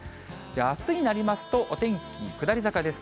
あすになりますと、お天気下り坂です。